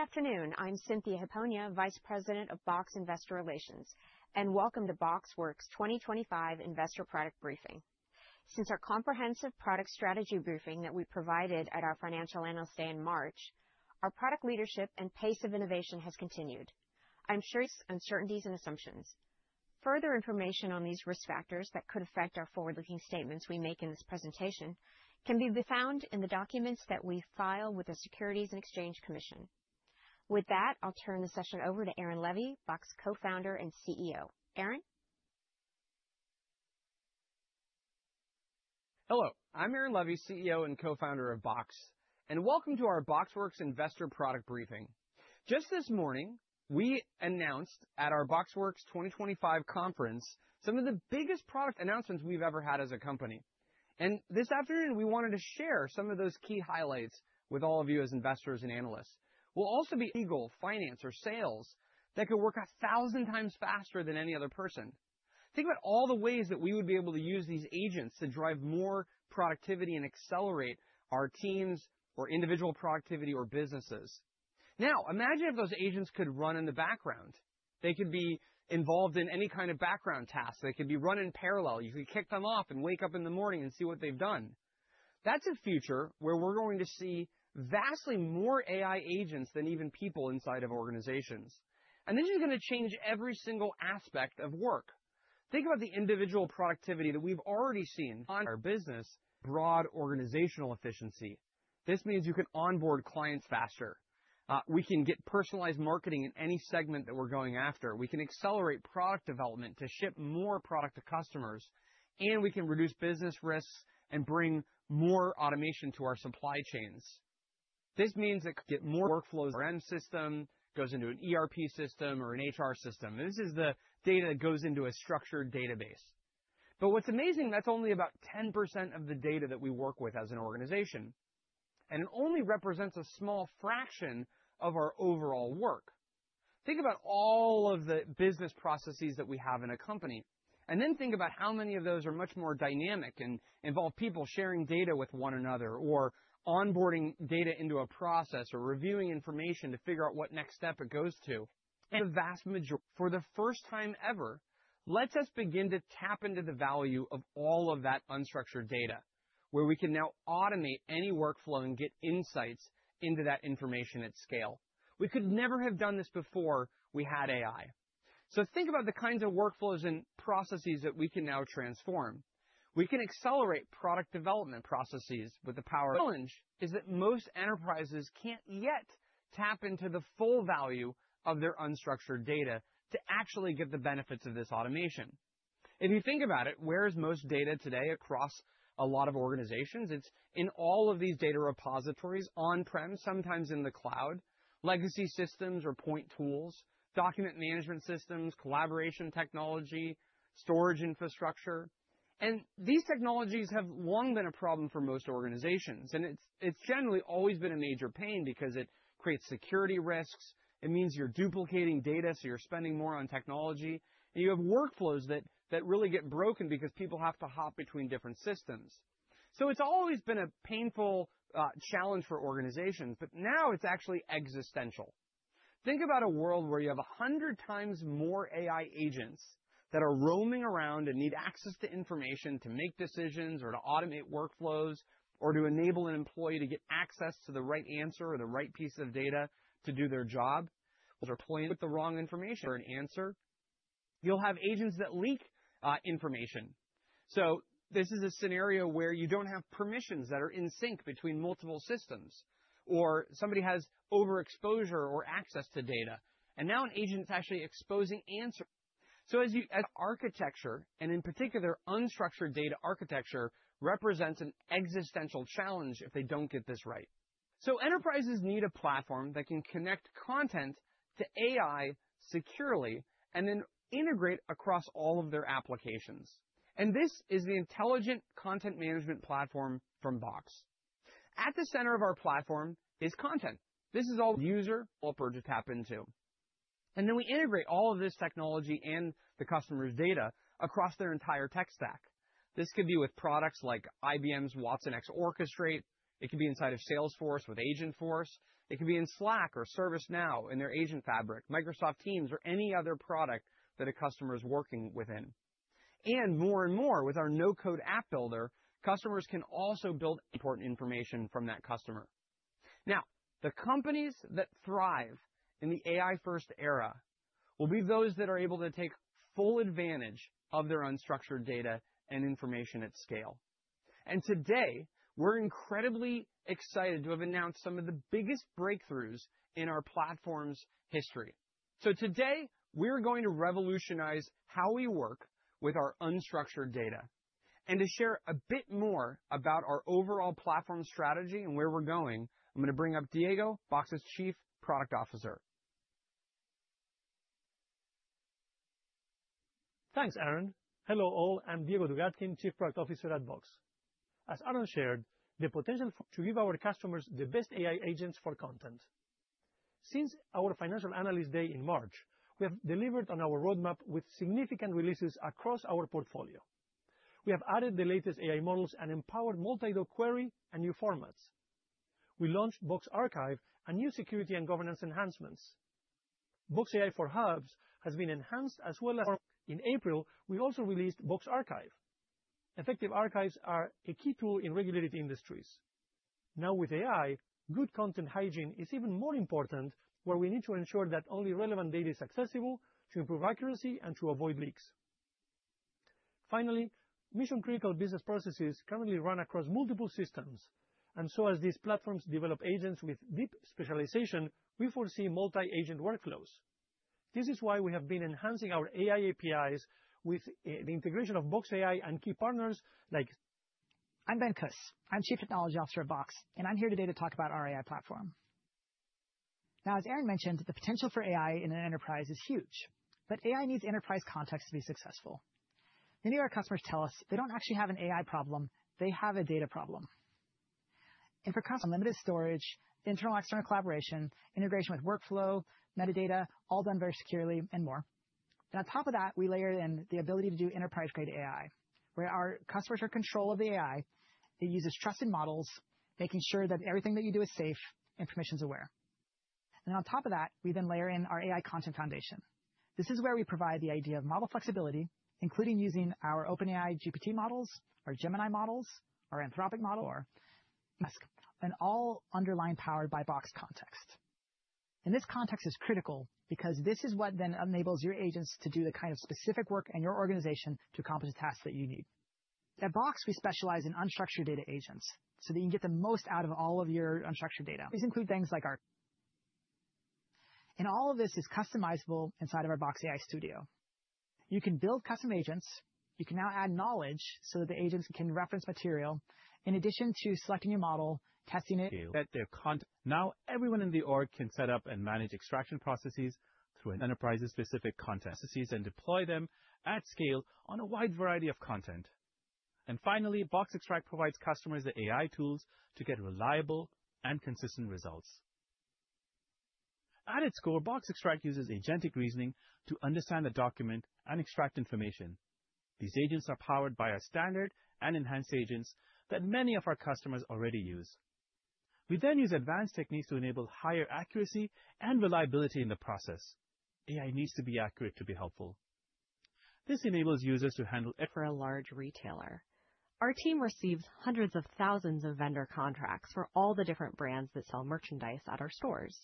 Good afternoon. I'm Cynthia Hiponia, Vice President of Box Investor Relations, and welcome to BoxWorks 2025 Investor Product Briefing. Since our comprehensive product strategy briefing that we provided at our Financial Analyst Day in March, our product leadership and pace of innovation has continued. I'm sure. Uncertainties and assumptions. Further information on these risk factors that could affect our forward-looking statements we make in this presentation can be found in the documents that we file with the Securities and Exchange Commission. With that, I'll turn the session over to Aaron Levie, Box Co-founder and CEO. Aaron? Hello. I'm Aaron Levie, CEO and co-founder of Box, and welcome to our BoxWorks Investor Product Briefing. Just this morning, we announced at our BoxWorks 2025 conference some of the biggest product announcements we've ever had as a company, and this afternoon, we wanted to share some of those key highlights with all of you as investors and analysts. Legal, finance, or sales that could work a thousand times faster than any other person. Think about all the ways that we would be able to use these agents to drive more productivity and accelerate our team's or individual productivity or businesses. Now, imagine if those agents could run in the background. They could be involved in any kind of background tasks. They could be run in parallel. You could kick them off and wake up in the morning and see what they've done. That's a future where we're going to see vastly more AI agents than even people inside of organizations, and this is going to change every single aspect of work. Think about the individual productivity that we've already seen in our business, broad organizational efficiency. This means you can onboard clients faster. We can get personalized marketing in any segment that we're going after. We can accelerate product development to ship more product to customers, and we can reduce business risks and bring more automation to our supply chains. This means we could get more workflows from end systems that go into an ERP system or an HR system. This is the data that goes into a structured database, but what's amazing, that's only about 10% of the data that we work with as an organization, and it only represents a small fraction of our overall work. Think about all of the business processes that we have in a company, and then think about how many of those are much more dynamic and involve people sharing data with one another or onboarding data into a process or reviewing information to figure out what next step it goes to, and the vast majority, for the first time ever, lets us begin to tap into the value of all of that unstructured data, where we can now automate any workflow and get insights into that information at scale. We could never have done this before we had AI, so think about the kinds of workflows and processes that we can now transform. We can accelerate product development processes with the power. Challenge is that most enterprises can't yet tap into the full value of their unstructured data to actually get the benefits of this automation. If you think about it, where is most data today across a lot of organizations? It's in all of these data repositories on-prem, sometimes in the cloud, legacy systems or point tools, document management systems, collaboration technology, storage infrastructure. And these technologies have long been a problem for most organizations, and it's generally always been a major pain because it creates security risks. It means you're duplicating data, so you're spending more on technology. And you have workflows that really get broken because people have to hop between different systems. So it's always been a painful challenge for organizations, but now it's actually existential. Think about a world where you have 100 times more AI agents that are roaming around and need access to information to make decisions or to automate workflows or to enable an employee to get access to the right answer or the right piece of data to do their job or playing with the wrong information or an answer. You'll have agents that leak information. So this is a scenario where you don't have permissions that are in sync between multiple systems, or somebody has overexposure or access to data, and now an agent's actually exposing answers. So, as your architecture, and in particular, unstructured data architecture, represents an existential challenge if they don't get this right. So enterprises need a platform that can connect content to AI securely and then integrate across all of their applications, and this is the intelligent content management platform from Box. At the center of our platform is content. This is all the user will be able to tap into, and then we integrate all of this technology and the customer's data across their entire tech stack. This could be with products like IBM's watsonx Orchestrate. It could be inside of Salesforce with Agentforce. It could be in Slack or ServiceNow in their Agent Fabric, Microsoft Teams, or any other product that a customer is working within. And more and more with our no-code app builder, customers can also build important information from that content. Now, the companies that thrive in the AI-first era will be those that are able to take full advantage of their unstructured data and information at scale, and today, we're incredibly excited to have announced some of the biggest breakthroughs in our platform's history. Today, we're going to revolutionize how we work with our unstructured data. To share a bit more about our overall platform strategy and where we're going, I'm going to bring up Diego Dugatkin, Box's Chief Product Officer. Thanks, Aaron. Hello all. I'm Diego Dugatkin, Chief Product Officer at Box. As Aaron shared, the potential to give our customers the best AI agents for content. Since our Financial Analyst Day in March, we have delivered on our roadmap with significant releases across our portfolio. We have added the latest AI models and empowered multi-doc query and new formats. We launched Box Archive and new security and governance enhancements. Box AI for Hubs has been enhanced as well as in April, we also released Box Archive. Effective archives are a key tool in regulated industries. Now with AI, good content hygiene is even more important, where we need to ensure that only relevant data is accessible to improve accuracy and to avoid leaks. Finally, mission-critical business processes currently run across multiple systems, and so as these platforms develop agents with deep specialization, we foresee multi-agent workflows. This is why we have been enhancing our AI APIs with the integration of Box AI and key partners like. I'm Ben Kus. I'm Chief Technology Officer at Box, and I'm here today to talk about our AI platform. Now, as Aaron mentioned, the potential for AI in an enterprise is huge, but AI needs enterprise context to be successful. Many of our customers tell us they don't actually have an AI problem; they have a data problem. And for cost, unlimited storage, internal and external collaboration, integration with workflow, metadata, all done very securely, and more. And on top of that, we layer in the ability to do enterprise-grade AI, where our customers are in control of the AI. It uses trusted models, making sure that everything that you do is safe and permissions-aware. And then on top of that, we then layer in our AI content foundation. This is where we provide the idea of model flexibility, including using our OpenAI GPT models, our Gemini models, our Anthropic model, or Mistral, and all underlying powered by Box context, and this context is critical because this is what then enables your agents to do the kind of specific work in your organization to accomplish the tasks that you need. At Box, we specialize in unstructured data agents so that you can get the most out of all of your unstructured data. These include things like our... and all of this is customizable inside of our Box AI Studio. You can build custom agents. You can now add knowledge so that the agents can reference material, in addition to selecting your model, testing it. That's their content. Now everyone in the org can set up and manage extraction processes through an enterprise-specific content processes and deploy them at scale on a wide variety of content. And finally, Box Extract provides customers the AI tools to get reliable and consistent results. At its core, Box Extract uses agentic reasoning to understand the document and extract information. These agents are powered by our standard and enhanced agents that many of our customers already use. We then use advanced techniques to enable higher accuracy and reliability in the process. AI needs to be accurate to be helpful. This enables users to handle... For a large retailer, our team receives hundreds of thousands of vendor contracts for all the different brands that sell merchandise at our stores.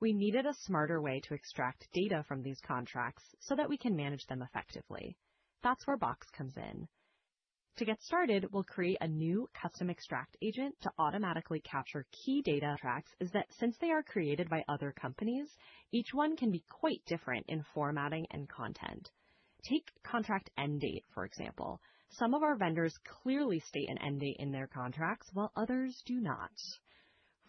We needed a smarter way to extract data from these contracts so that we can manage them effectively. That's where Box comes in. To get started, we'll create a new custom extract agent to automatically capture key data. The catch is that since they are created by other companies, each one can be quite different in formatting and content. Take contract end date, for example. Some of our vendors clearly state an end date in their contracts, while others do not.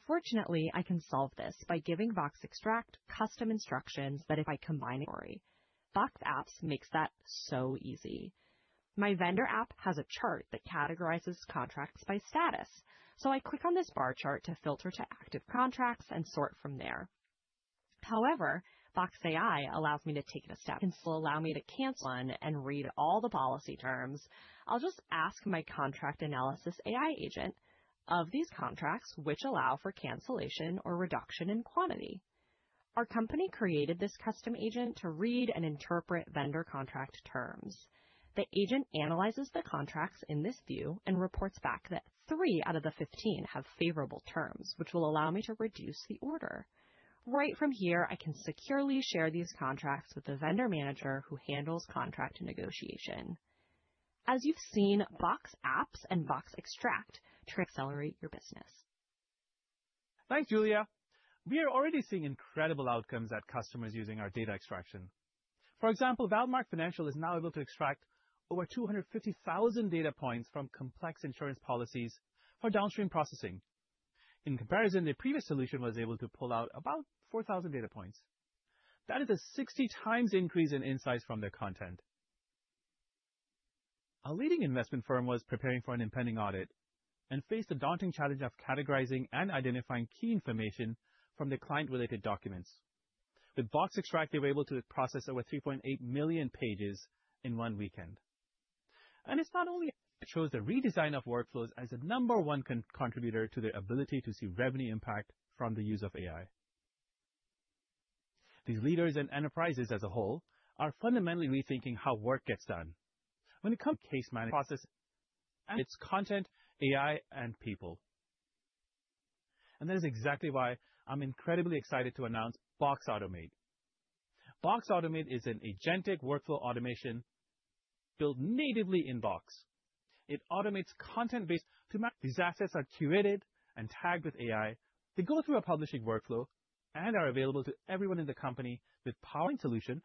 Fortunately, I can solve this by giving Box Extract custom instructions. Box Apps makes that so easy. My vendor app has a chart that categorizes contracts by status, so I click on this bar chart to filter to active contracts and sort from there. However, Box AI allows me to take it a step and still allow me to cancel one and read all the policy terms. I'll just ask my contract analysis AI agent of these contracts, which allow for cancellation or reduction in quantity. Our company created this custom agent to read and interpret vendor contract terms. The agent analyzes the contracts in this view and reports back that three out of the 15 have favorable terms, which will allow me to reduce the order. Right from here, I can securely share these contracts with the vendor manager who handles contract negotiation. As you've seen, Box Apps and Box Extract accelerate your business. Thanks, Julia. We are already seeing incredible outcomes at customers using our data extraction. For example, Valmark Financial is now able to extract over 250,000 data points from complex insurance policies for downstream processing. In comparison, their previous solution was able to pull out about 4,000 data points. That is a 60 times increase in insights from their content. A leading investment firm was preparing for an impending audit and faced a daunting challenge of categorizing and identifying key information from the client-related documents. With Box Extract, they were able to process over 3.8 million pages in one weekend. And it's not only... chose the redesign of workflows as the number one contributor to their ability to see revenue impact from the use of AI. These leaders and enterprises as a whole are fundamentally rethinking how work gets done. When it comes to case management process, it's content, AI, and people. And that is exactly why I'm incredibly excited to announce Box Automate. Box Automate is an agentic workflow automation built natively in Box. It automates content-based... These assets are curated and tagged with AI. They go through a publishing workflow and are available to everyone in the company with powerful solutions.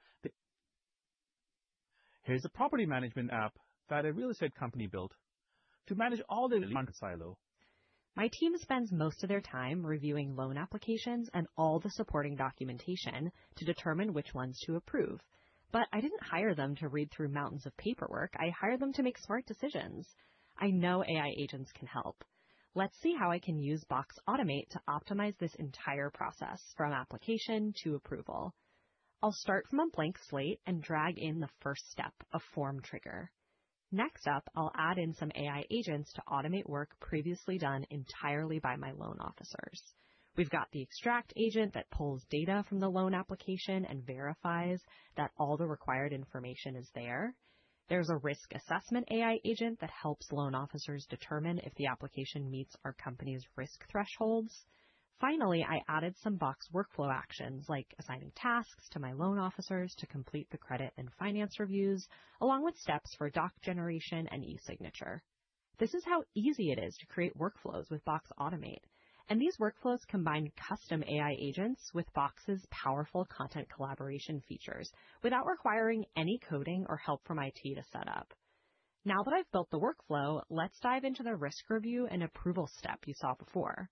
Here's a property management app that a real estate company built to manage all their content silos. My team spends most of their time reviewing loan applications and all the supporting documentation to determine which ones to approve. But I didn't hire them to read through mountains of paperwork. I hired them to make smart decisions. I know AI agents can help. Let's see how I can use Box Automate to optimize this entire process from application to approval. I'll start from a blank slate and drag in the first step, a form trigger. Next up, I'll add in some AI agents to automate work previously done entirely by my loan officers. We've got the extract agent that pulls data from the loan application and verifies that all the required information is there. There's a risk assessment AI agent that helps loan officers determine if the application meets our company's risk thresholds. Finally, I added some Box workflow actions, like assigning tasks to my loan officers to complete the credit and finance reviews, along with steps for doc generation and e-signature. This is how easy it is to create workflows with Box Automate, and these workflows combine custom AI agents with Box's powerful content collaboration features without requiring any coding or help from IT to set up. Now that I've built the workflow, let's dive into the risk review and approval step you saw before.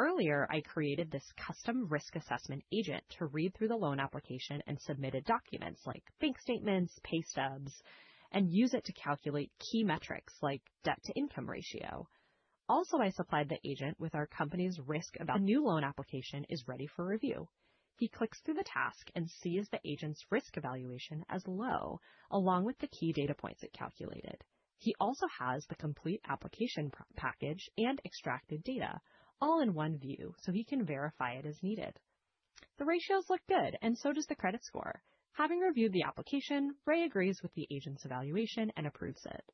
Earlier, I created this custom risk assessment agent to read through the loan application and submit documents like bank statements, pay stubs, and use it to calculate key metrics like debt-to-income ratio. Also, I supplied the agent with our company's risk evaluation. A new loan application is ready for review. He clicks through the task and sees the agent's risk evaluation as low, along with the key data points it calculated. He also has the complete application package and extracted data, all in one view, so he can verify it as needed. The ratios look good, and so does the credit score. Having reviewed the application, Ray agrees with the agent's evaluation and approves it.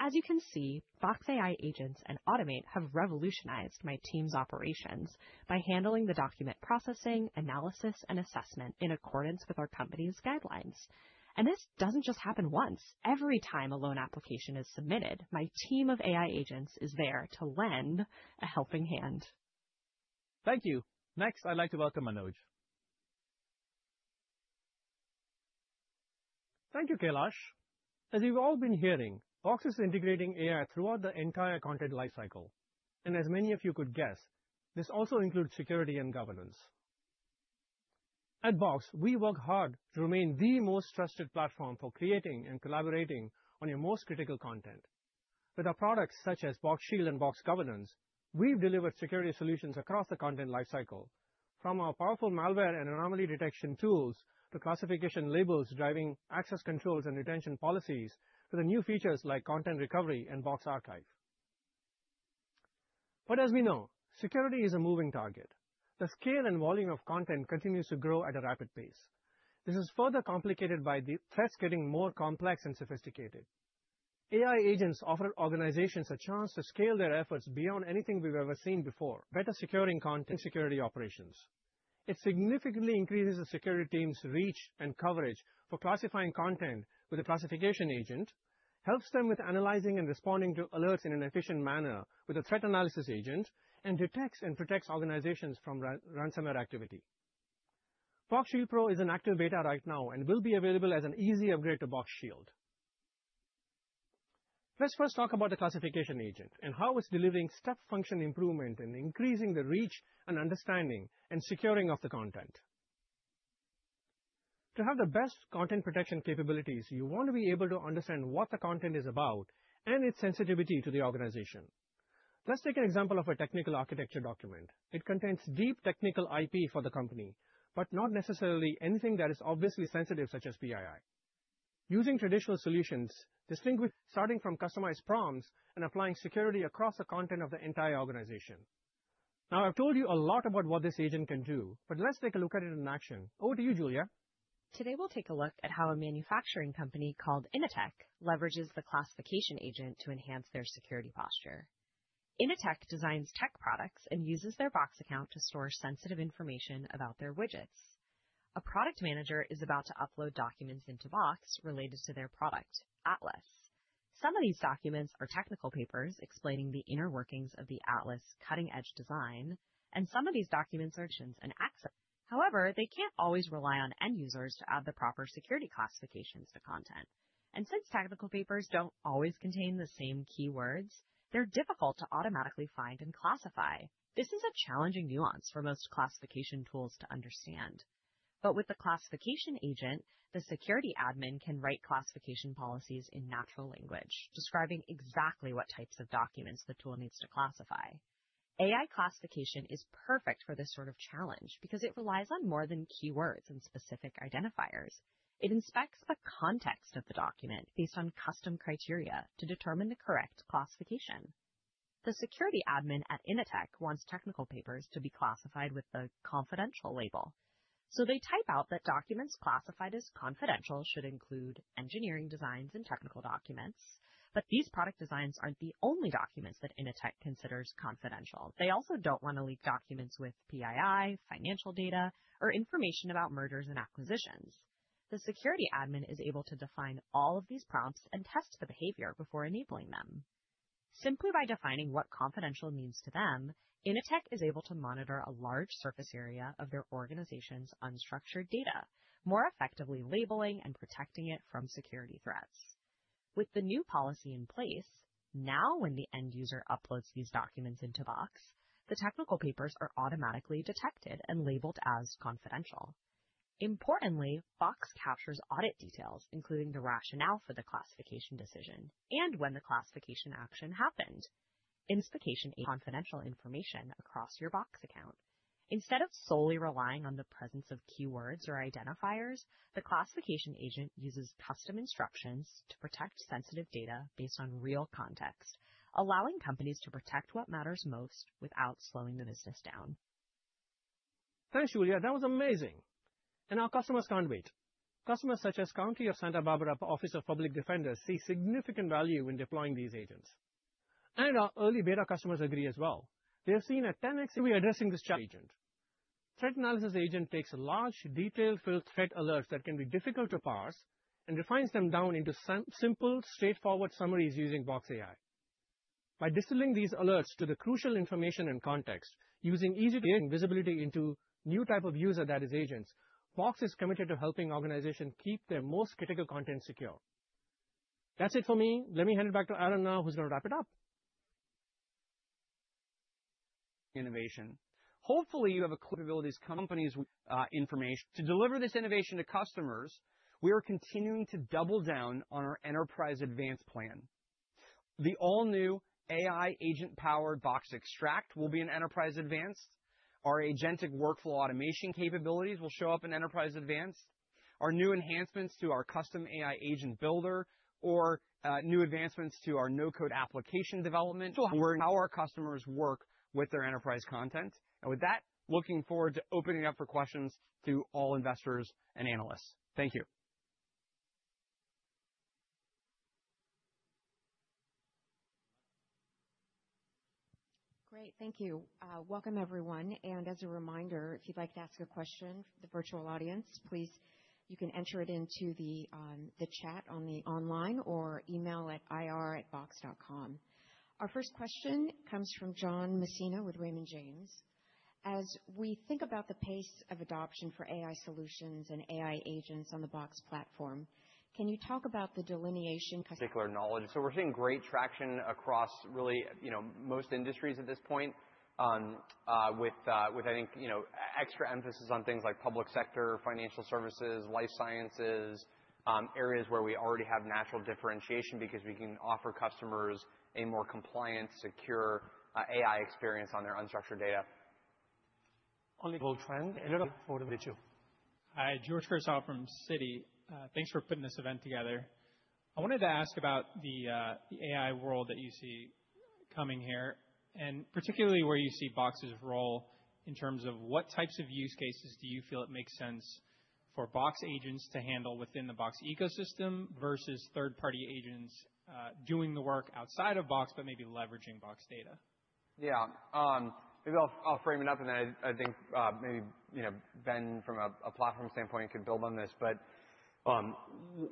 As you can see, Box AI agents and Automate have revolutionized my team's operations by handling the document processing, analysis, and assessment in accordance with our company's guidelines. And this doesn't just happen once. Every time a loan application is submitted, my team of AI agents is there to lend a helping hand. Thank you. Next, I'd like to welcome Manoj. Thank you, Kailash. As you've all been hearing, Box is integrating AI throughout the entire content lifecycle, and as many of you could guess, this also includes security and governance. At Box, we work hard to remain the most trusted platform for creating and collaborating on your most critical content. With our products such as Box Shield and Box Governance, we've delivered security solutions across the content lifecycle, from our powerful malware and anomaly detection tools to classification labels, driving access controls and retention policies, to the new features like content recovery and Box Archive, but as we know, security is a moving target. The scale and volume of content continues to grow at a rapid pace. This is further complicated by the threats getting more complex and sophisticated. AI agents offer organizations a chance to scale their efforts beyond anything we've ever seen before, better securing content security operations. It significantly increases the security team's reach and coverage for classifying content with a classification agent, helps them with analyzing and responding to alerts in an efficient manner with a threat analysis agent, and detects and protects organizations from ransomware activity. Box Shield Pro is in active beta right now and will be available as an easy upgrade to Box Shield. Let's first talk about the classification agent and how it's delivering step function improvement and increasing the reach and understanding and securing of the content. To have the best content protection capabilities, you want to be able to understand what the content is about and its sensitivity to the organization. Let's take an example of a technical architecture document. It contains deep technical IP for the company, but not necessarily anything that is obviously sensitive, such as PII. Using traditional solutions, distinguish starting from customized prompts and applying security across the content of the entire organization. Now, I've told you a lot about what this agent can do, but let's take a look at it in action. Over to you, Julia. Today, we'll take a look at how a manufacturing company called InnoTech leverages the classification agent to enhance their security posture. InnoTech designs tech products and uses their Box account to store sensitive information about their widgets. A product manager is about to upload documents into Box related to their product, Atlas. Some of these documents are technical papers explaining the inner workings of the Atlas cutting-edge design, and some of these documents are access. However, they can't always rely on end users to add the proper security classifications to content, and since technical papers don't always contain the same keywords, they're difficult to automatically find and classify. This is a challenging nuance for most classification tools to understand, but with the classification agent, the security admin can write classification policies in natural language, describing exactly what types of documents the tool needs to classify. AI classification is perfect for this sort of challenge because it relies on more than keywords and specific identifiers. It inspects the context of the document based on custom criteria to determine the correct classification. The security admin at InnoTech wants technical papers to be classified with the confidential label. So they type out that documents classified as confidential should include engineering designs and technical documents. But these product designs aren't the only documents that InnoTech considers confidential. They also don't want to leak documents with PII, financial data, or information about mergers and acquisitions. The security admin is able to define all of these prompts and test the behavior before enabling them. Simply by defining what confidential means to them, InnoTech is able to monitor a large surface area of their organization's unstructured data, more effectively labeling and protecting it from security threats. With the new policy in place, now when the end user uploads these documents into Box, the technical papers are automatically detected and labeled as confidential. Importantly, Box captures audit details, including the rationale for the classification decision and when the classification action happened. Inspect and classify confidential information across your Box account. Instead of solely relying on the presence of keywords or identifiers, the classification agent uses custom instructions to protect sensitive data based on real context, allowing companies to protect what matters most without slowing the business down. Thanks, Julia. That was amazing. Our customers can't wait. Customers such as the Santa Barbara County Public Defender see significant value in deploying these agents. Our early beta customers agree as well. They have seen a 10x in addressing this challenge. Threat analysis agent takes large, detail-filled threat alerts that can be difficult to parse and refines them down into simple, straightforward summaries using Box AI. By distilling these alerts to the crucial information and context, using easy visibility into a new type of user that is agents, Box is committed to helping organizations keep their most critical content secure. That's it for me. Let me hand it back to Aaron now, who's going to wrap it up. Innovation. Hopefully, you have a clear ability to come up with company's information. To deliver this innovation to customers, we are continuing to double down on our Enterprise Advanced plan. The all-new AI agent-powered Box Extract will be in Enterprise Advanced. Our agentic workflow automation capabilities will show up in Enterprise Advanced. Our new enhancements to our custom AI agent builder or new advancements to our no-code application development will empower our customers' work with their enterprise content. And with that, looking forward to opening up for questions to all investors and analysts. Thank you. Great. Thank you. Welcome, everyone. And as a reminder, if you'd like to ask a question, the virtual audience, please, you can enter it into the chat online or email at ir@box.com. Our first question comes from John Messina with Raymond James. As we think about the pace of adoption for AI solutions and AI agents on the Box platform, can you talk about the delineation? Particular knowledge. We're seeing great traction across really most industries at this point, with, I think, extra emphasis on things like public sector, financial services, life sciences, areas where we already have natural differentiation because we can offer customers a more compliant, secure AI experience on their unstructured data. Only bold trend. A lot of applause for the two. Hi, George Kershaw from Citi. Thanks for putting this event together. I wanted to ask about the AI world that you see coming here, and particularly where you see Box's role in terms of what types of use cases do you feel it makes sense for Box agents to handle within the Box ecosystem versus third-party agents doing the work outside of Box, but maybe leveraging Box data? Yeah. Maybe I'll frame it up, and then I think maybe Ben from a platform standpoint could build on this. But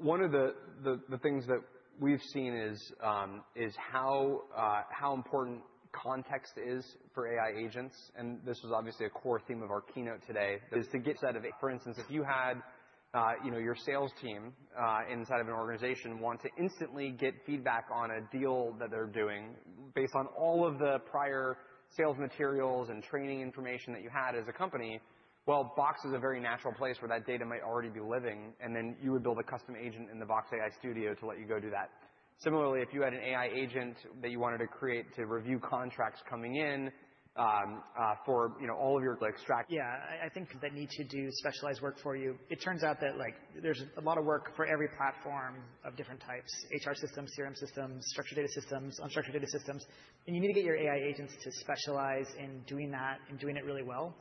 one of the things that we've seen is how important context is for AI agents. And this was obviously a core theme of our keynote today, is to get set of, for instance, if you had your sales team inside of an organization want to instantly get feedback on a deal that they're doing based on all of the prior sales materials and training information that you had as a company. Well, Box is a very natural place where that data might already be living, and then you would build a custom agent in the Box AI Studio to let you go do that. Similarly, if you had an AI agent that you wanted to create to review contracts coming in for all of your Box Extract. Yeah, I think we need to do specialized work for you. It turns out that there's a lot of work for every platform of different types: HR systems, CRM systems, structured data systems, unstructured data systems. And you need to get your AI agents to specialize in doing that and doing it really well.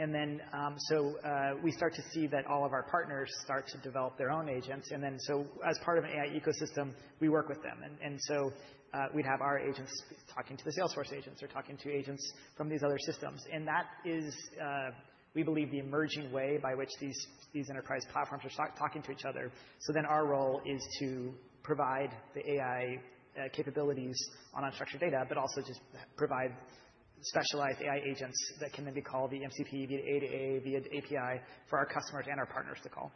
And then so we start to see that all of our partners start to develop their own agents. And then so as part of an AI ecosystem, we work with them. And so we'd have our agents talking to the Salesforce agents or talking to agents from these other systems. And that is, we believe, the emerging way by which these enterprise platforms are talking to each other. So then our role is to provide the AI capabilities on unstructured data, but also just provide specialized AI agents that can then be called the MCP via Ada via API for our customers and our partners to call.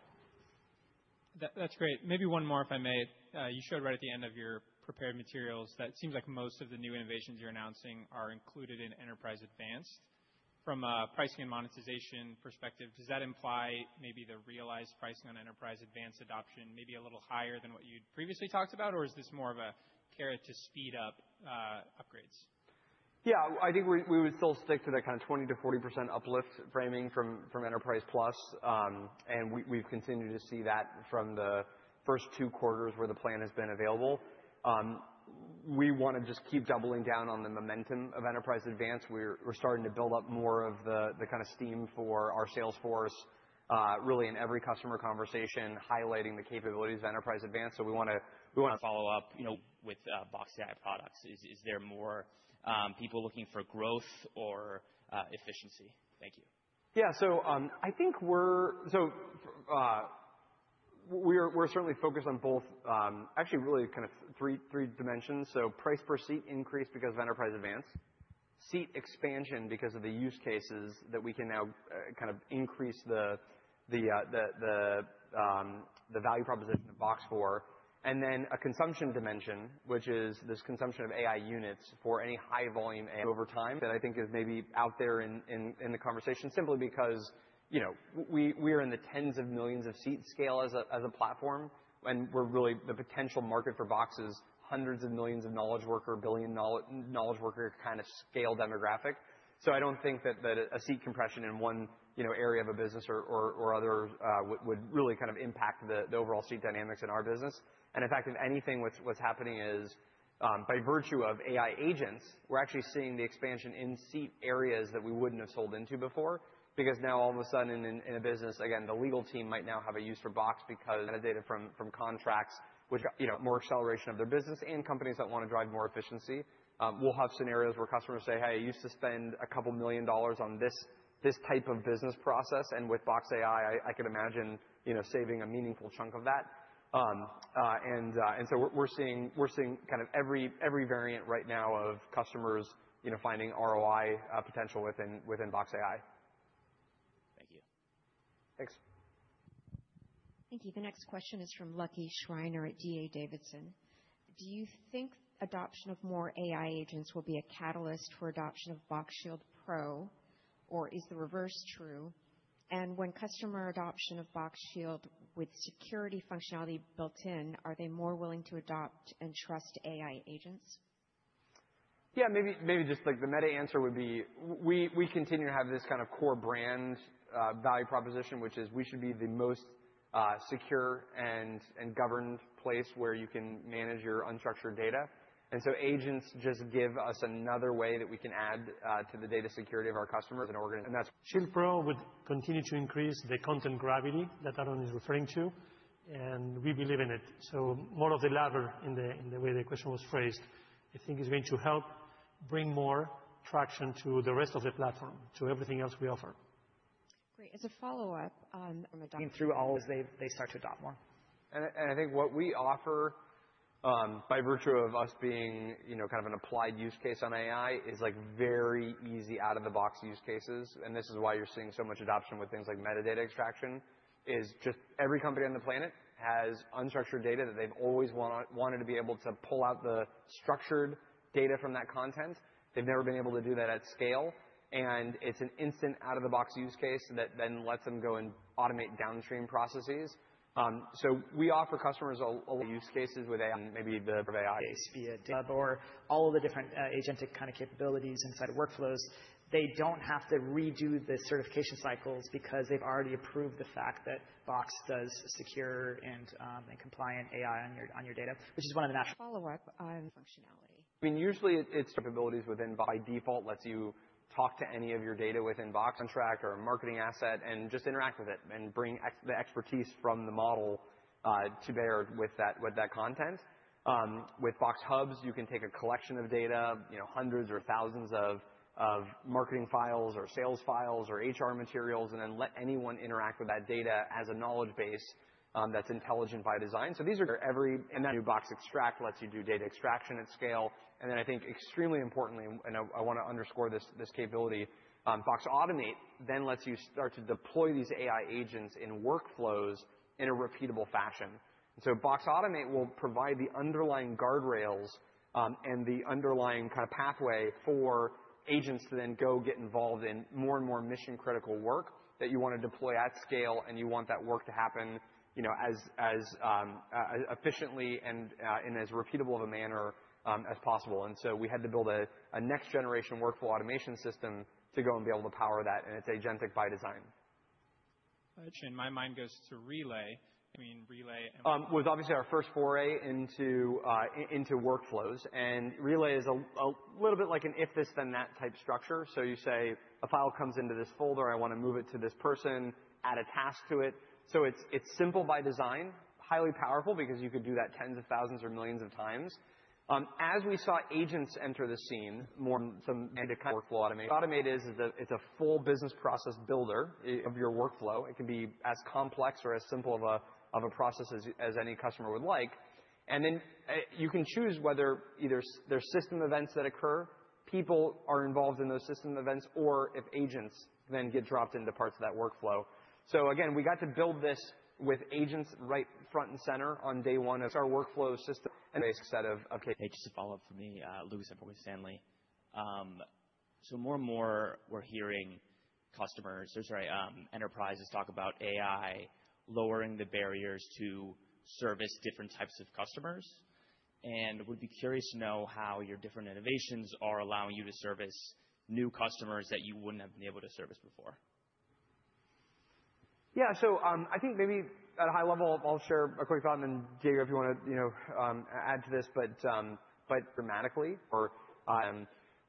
That's great. Maybe one more, if I may. You showed right at the end of your prepared materials that it seems like most of the new innovations you're announcing are included in Enterprise Advanced. From a pricing and monetization perspective, does that imply maybe the realized pricing on Enterprise Advanced adoption may be a little higher than what you'd previously talked about? Or is this more of a carrot-to-speed-up upgrades? Yeah. I think we would still stick to that kind of 20%-40% uplift framing from Enterprise Advanced. And we've continued to see that from the first two quarters where the plan has been available. We want to just keep doubling down on the momentum of Enterprise Advanced. We're starting to build up more of the kind of steam for our Salesforce, really in every customer conversation, highlighting the capabilities of Enterprise Advanced. So we want to follow up with Box AI products. Is there more people looking for growth or efficiency? Thank you. Yeah. So I think we're certainly focused on both, actually, really kind of three dimensions. So, price per seat increase because of Enterprise Advanced, seat expansion because of the use cases that we can now kind of increase the value proposition of Box for, and then a consumption dimension, which is this consumption of AI units for any high-volume AI over time that I think is maybe out there in the conversation simply because we are in the tens of millions of seats scale as a platform, and we're really the potential market for Box is hundreds of millions of knowledge worker, billion knowledge worker kind of scale demographic. So, I don't think that a seat compression in one area of a business or other would really kind of impact the overall seat dynamics in our business. In fact, if anything, what's happening is by virtue of AI agents, we're actually seeing the expansion in seat areas that we wouldn't have sold into before because now all of a sudden in a business, again, the legal team might now have a use for Box because metadata from contracts, which more acceleration of their business and companies that want to drive more efficiency. We'll have scenarios where customers say, "Hey, I used to spend $2 million on this type of business process." With Box AI, I could imagine saving a meaningful chunk of that. So we're seeing kind of every variant right now of customers finding ROI potential within Box AI. Thank you. Thanks. Thank you. The next question is from Lucky Schreiner at D.A. Davidson. Do you think adoption of more AI agents will be a catalyst for adoption of Box Shield Pro, or is the reverse true? And, when customer adoption of Box Shield with security functionality built in, are they more willing to adopt and trust AI agents? Yeah. Maybe just the meta answer would be we continue to have this kind of core brand value proposition, which is we should be the most secure and governed place where you can manage your unstructured data. And so agents just give us another way that we can add to the data security of our customers and organizations. Shield Pro would continue to increase the content gravity that Aaron is referring to, and we believe in it so more of the latter in the way the question was phrased, I think is going to help bring more traction to the rest of the platform, to everything else we offer. Great. As a follow-up on. Through all as they start to adopt more. I think what we offer by virtue of us being kind of an applied use case on AI is very easy out-of-the-box use cases. This is why you're seeing so much adoption with things like metadata extraction, is just every company on the planet has unstructured data that they've always wanted to be able to pull out the structured data from that content. They've never been able to do that at scale. It's an instant out-of-the-box use case that then lets them go and automate downstream processes. We offer customers a lot of use cases with AI, maybe the AI sphere or all of the different agentic kind of capabilities inside of workflows. They don't have to redo the certification cycles because they've already approved the fact that Box does secure and compliant AI on your data, which is one of the. Follow-up on functionality. I mean, usually it's capabilities within Box by default lets you talk to any of your data within Box content or a marketing asset and just interact with it and bring the expertise from the model to bear with that content. With Box Hubs, you can take a collection of data, hundreds or thousands of marketing files or sales files or HR materials, and then let anyone interact with that data as a knowledge base that's intelligent by design. So these are, and that new Box Extract lets you do data extraction at scale. Then I think extremely importantly, and I want to underscore this capability, Box Automate then lets you start to deploy these AI agents in workflows in a repeatable fashion. And so Box Automate will provide the underlying guardrails and the underlying kind of pathway for agents to then go get involved in more and more mission-critical work that you want to deploy at scale, and you want that work to happen as efficiently and in as repeatable of a manner as possible. And so we had to build a next-generation workflow automation system to go and be able to power that, and it's agentic by design. Shayne, my mind goes to Relay. I mean, Relay. was obviously our first foray into workflows. Relay is a little bit like an if-this-then-that type structure. So you say, "A file comes into this folder. I want to move it to this person, add a task to it." So it's simple by design, highly powerful because you could do that tens of thousands or millions of times. As we saw agents enter the scene, more advanced, some kind of workflow automation. Automate is a full business process builder of your workflow. It can be as complex or as simple of a process as any customer would like. And then you can choose whether either there's system events that occur, people are involved in those system events, or if agents then get dropped into parts of that workflow. So again, we got to build this with agents right front and center on day one of our workflow system. Basic set of. Thank you. Just a follow-up for me, Morgan Stanley. So more and more we're hearing customers, or sorry, enterprises talk about AI lowering the barriers to service different types of customers, and would be curious to know how your different innovations are allowing you to service new customers that you wouldn't have been able to service before. Yeah, so I think maybe at a high level, I'll share a quick thought, and Diego, if you want to add to this. But dramatically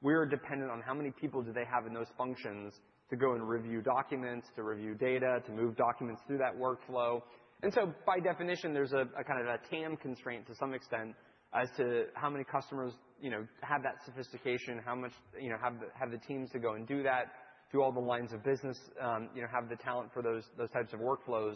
we are dependent on how many people do they have in those functions to go and review documents, to review data, to move documents through that workflow. And so by definition, there's a kind of a TAM constraint to some extent as to how many customers have that sophistication, how much have the teams to go and do that, do all the lines of business, have the talent for those types of workflows.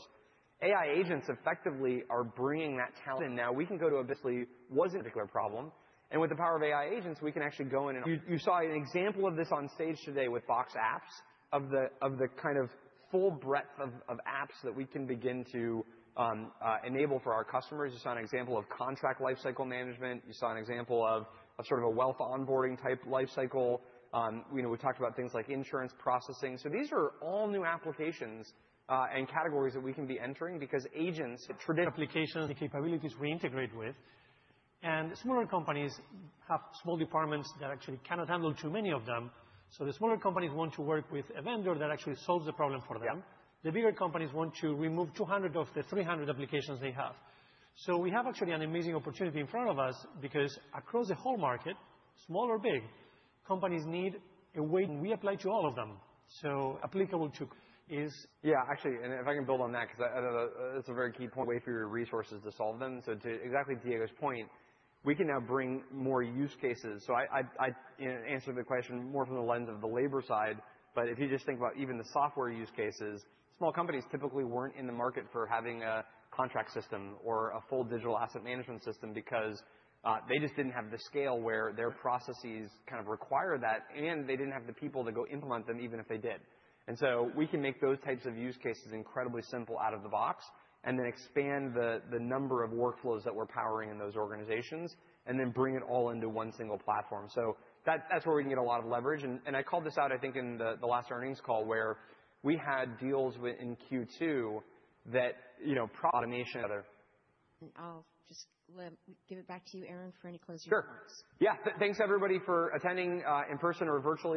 AI agents effectively are bringing that talent in. Now we can go to a business lead wasn't a particular problem. And with the power of AI agents, we can actually go in and you saw an example of this on stage today with Box Apps of the kind of full breadth of apps that we can begin to enable for our customers. You saw an example of contract lifecycle management. You saw an example of sort of a wealth onboarding type lifecycle. We talked about things like insurance processing. So these are all new applications and categories that we can be entering because agents traditional applications capabilities reintegrate with. And smaller companies have small departments that actually cannot handle too many of them. So the smaller companies want to work with a vendor that actually solves the problem for them. The bigger companies want to remove 200 of the 300 applications they have. So we have actually an amazing opportunity in front of us because across the whole market, small or big, companies need a way we apply to all of them. So applicable to is yeah. Actually, and if I can build on that because that's a very key point, a way for your resources to solve them. So to exactly Diego's point, we can now bring more use cases. So I answered the question more from the lens of the labor side. But if you just think about even the software use cases, small companies typically weren't in the market for having a contract system or a full digital asset management system because they just didn't have the scale where their processes kind of require that, and they didn't have the people to go implement them even if they did. So we can make those types of use cases incredibly simple out of the box and then expand the number of workflows that we're powering in those organizations and then bring it all into one single platform. So that's where we can get a lot of leverage. I called this out, I think, in the last earnings call where we had deals in Q2 that automation. I'll just give it back to you, Aaron, for any closing remarks. Sure. Yeah. Thanks, everybody, for attending in person or virtually.